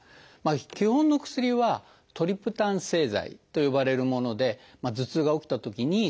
基本の薬は「トリプタン製剤」と呼ばれるもので頭痛が起きたときにすぐ使う。